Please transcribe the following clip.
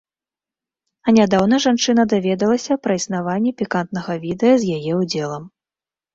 А нядаўна жанчына даведалася пра існаванне пікантнага відэа з яе ўдзелам.